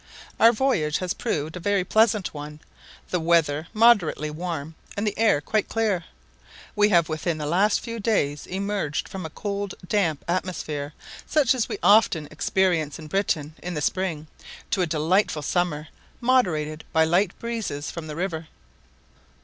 Our voyage has proved a very pleasant one; the weather moderately warm, and the air quite clear. We have within the last few days emerged from a cold, damp atmosphere, such as we often experience in Britain in the spring, to a delightful summer, moderated by light breezes from the river.